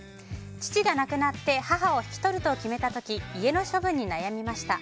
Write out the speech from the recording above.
父が亡くなって母を引き取ると決めた時家の処分に悩みました。